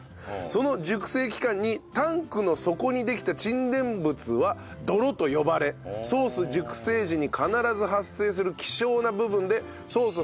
その熟成期間にタンクの底にできた沈殿物はどろと呼ばれソース熟成時に必ず発生する希少な部分でソース